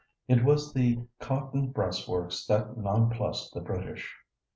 It was the cotton breastworks that nonplussed the British.